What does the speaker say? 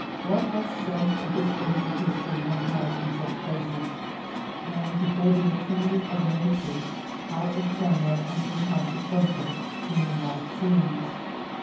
What a sense of the swing of his tory one has in such places, and before the eternity of nature how ephemeral and in consequential human life seems.